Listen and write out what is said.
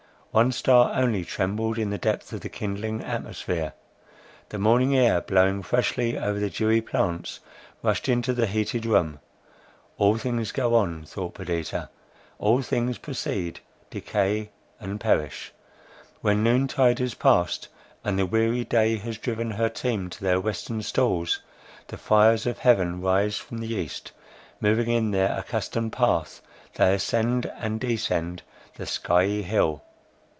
One star only trembled in the depth of the kindling atmosphere. The morning air blowing freshly over the dewy plants, rushed into the heated room. "All things go on," thought Perdita, "all things proceed, decay, and perish! When noontide has passed, and the weary day has driven her team to their western stalls, the fires of heaven rise from the East, moving in their accustomed path, they ascend and descend the skiey hill.